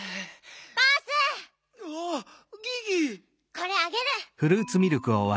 これあげる！